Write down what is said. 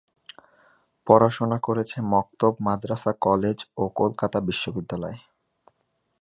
পড়াশোনা করেছেন মক্তব, মাদ্রাসা, কলেজ ও কলকাতা বিশ্ববিদ্যালয়ে।